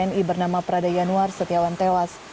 tni bernama prada yanuar setiawan tewas